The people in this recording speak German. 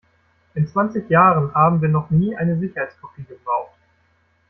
In zwanzig Jahren haben wir noch nie eine Sicherheitskopie gebraucht.